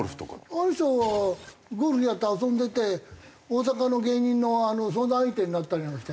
あの人はゴルフやって遊んでて大阪の芸人の相談相手になったりなんかして。